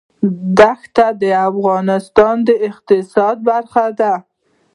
دښتې د افغانستان د اقتصاد برخه ده.